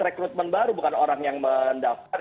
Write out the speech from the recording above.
rekrutmen baru bukan orang yang mendaftar